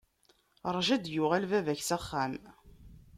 Rju a d-yuɣal baba-k s axxam.